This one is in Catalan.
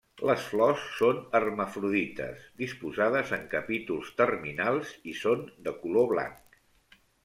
Les flors són hermafrodites, disposades en capítols terminals i són de color blanc.